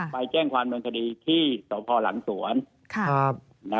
ไปแจ้งความบินฆดีที่โสพรหลังสวน